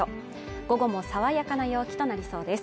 午後も爽やかな陽気となりそうです